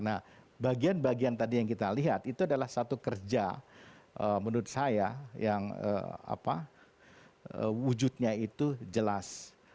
nah bagian bagian tadi yang kita lihat itu adalah satu kerja menurut saya yang wujudnya itu jelas